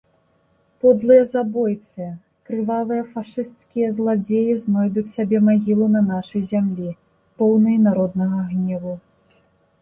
Подлыя забойцы, крывавыя фашысцкія зладзеі знойдуць сабе магілу на нашай зямлі, поўнай народнага гневу.